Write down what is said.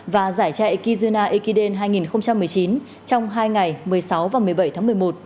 và giải chạy kizuna ekiden hai nghìn một mươi chín trong hai ngày một mươi sáu và một mươi bảy tháng một mươi một